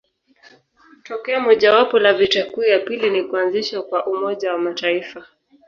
Tokeo mojawapo la vita kuu ya pili ni kuanzishwa kwa Umoja wa Mataifa.